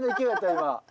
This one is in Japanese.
今。